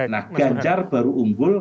nah ganjar baru unggul